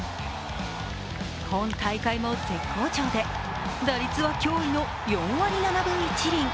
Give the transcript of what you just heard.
今大会も絶好調で、打率は驚異の４割７分１厘。